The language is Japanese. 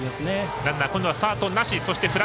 ランナー今度はスタートなし。